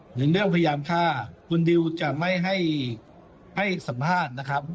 หนึ่งเรื่องพยายามฆ่าคุณดิวจะไม่ให้สัมภาษณ์นะครับ